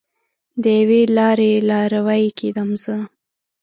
د یوې لارې لاروی کیدم زه